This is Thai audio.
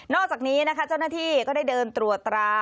อกจากนี้นะคะเจ้าหน้าที่ก็ได้เดินตรวจตรา